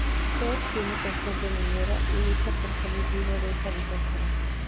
Ted tiene que hacer de niñera y lucha por salir vivo de esa habitación.